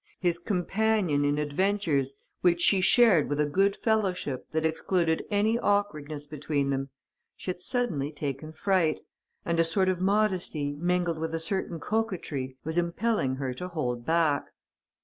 His companion in adventures which she shared with a good fellowship that excluded any awkwardness between them, she had suddenly taken fright; and a sort of modesty, mingled with a certain coquetry; was impelling her to hold back.